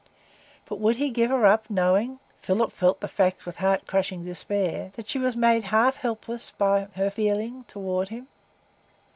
But would he give her up, knowing—Philip felt the fact with heart crushing despair—that she was made half helpless by her feeling toward him?